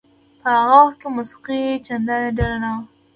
په هغه وخت کې موسیقي چندانې ډېره نه وه.